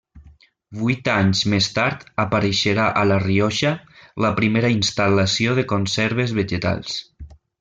Vuit anys més tard apareixerà a La Rioja la primera instal·lació de conserves vegetals.